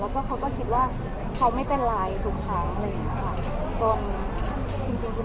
แต่ว่าครั้งนี้คือครั้งสุดท้ายคือมันเฉินเฉินจริง